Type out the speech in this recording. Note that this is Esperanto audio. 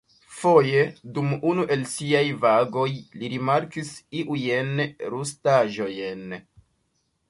Foje, dum unu el siaj vagoj, li rimarkis iujn rustaĵojn.